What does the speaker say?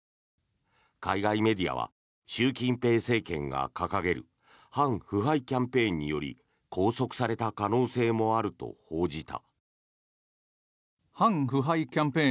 海外メディアは習近平政権が掲げる反腐敗キャンペーンにより拘束された可能性もあると報じた。